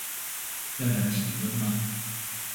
要量體溫嗎